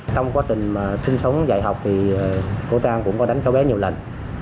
trong quá trình sinh sống dạy học thì cô trang cũng có đánh cháu bé nhiều lần